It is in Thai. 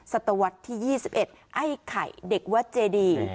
ศตวรรษที่๒๑ไอ้ไข่เด็กวัดเจดี